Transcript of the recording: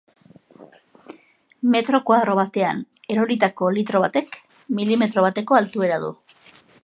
Metro koadro batean eroritako litro batek milimetro bateko altuera du.